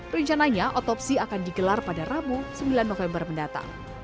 rencananya otopsi akan digelar pada rabu sembilan november mendatang